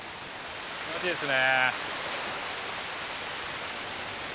気持ちいいですね。